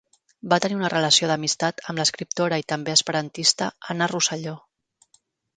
Va tenir una relació d'amistat amb l'escriptora i també esperantista Anna Rosselló.